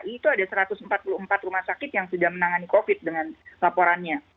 itu ada satu ratus empat puluh empat rumah sakit yang sudah menangani covid dengan laporannya